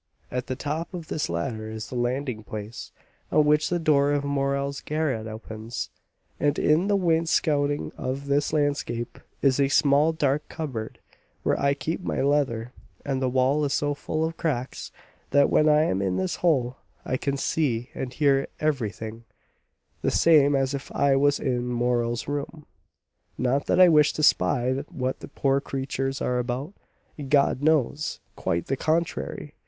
"At the top of this ladder is the landing place, on which the door of Morel's garret opens, and in the wainscoting of this landing is a small dark cupboard, where I keep my leather, and the wall is so full of cracks, that when I am in this hole I can see and hear everything, the same as if I was in Morel's room. Not that I wish to spy what the poor creatures are about, God knows, quite the contrary.